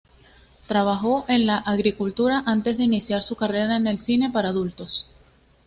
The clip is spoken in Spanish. Trabajó en la agricultura antes de iniciar su carrera en el cine para adultos.